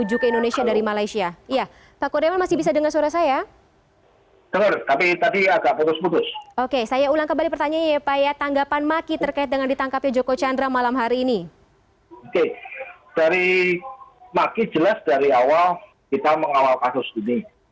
oke dari makin jelas dari awal kita mengawal kasus ini